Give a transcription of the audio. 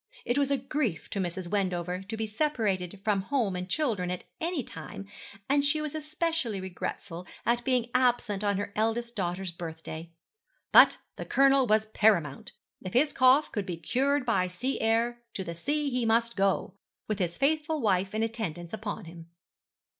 It was a grief to Mrs. Wendover to be separated from home and children at any time, and she was especially regretful at being absent on her eldest daughter's birthday; but the Colonel was paramount. If his cough could be cured by sea air, to the sea he must go, with his faithful wife in attendance upon him.